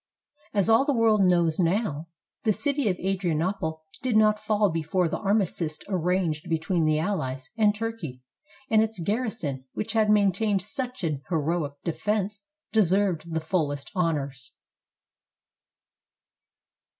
As all the world knows now, the city of Adrianople did not fall before the armistice arranged between the allies and Turkey; and its garrison, which had maintained such an heroic defense, deserved the fullest honors.